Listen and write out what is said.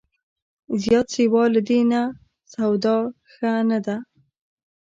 زیات سیوا له دې نه، سودا ښه نه ده